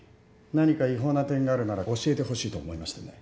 何か違法な点があるなら教えてほしいと思いましてね。